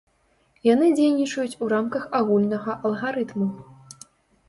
Яны дзейнічаюць у рамках агульнага алгарытму.